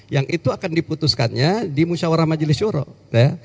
yang itu akan diputuskannya di musyawarah majlis surat